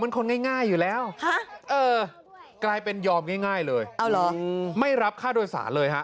มันคนง่ายอยู่แล้วกลายเป็นยอมง่ายเลยไม่รับค่าโดยสารเลยฮะ